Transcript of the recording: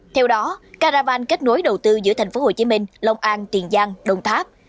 theo đó caravan kết nối đầu tư giữa tp hcm long an tiền giang đồng tháp